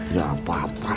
ya apa apa lah